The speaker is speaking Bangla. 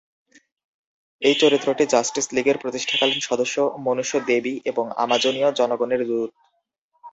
এই চরিত্রটি জাস্টিস লিগের প্রতিষ্ঠাকালীন সদস্য, মনুষ্য-দেবী, এবং আমাজনীয় জনগণের দূত।